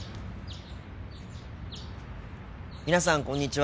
皆さんこんにちは。